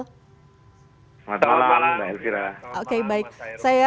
selamat malam mbak isira